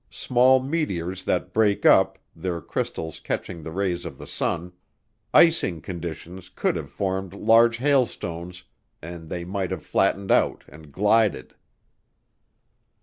Small meteors that break up, their crystals catching the rays of the sun. Icing conditions could have formed large hailstones and they might have flattened out and glided.